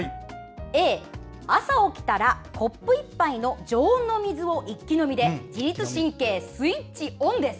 Ａ、朝起きたらコップ１杯の常温の水を一気飲みで自律神経スイッチオンです。